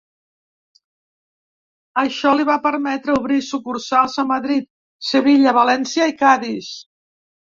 Això li va permetre obrir sucursals a Madrid, Sevilla, València i Cadis.